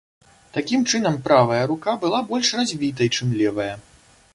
Такім чынам, правая рука была больш развітай, чым левая.